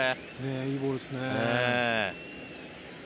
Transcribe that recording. いいボールですね。